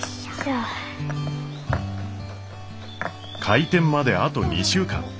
開店まであと２週間。